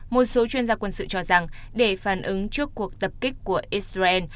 một số chuyên gia quân sự cho rằng để phản ứng trước cuộc tập kích của israel